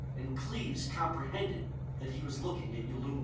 And Cleves comprehended that he was looking at Yulun.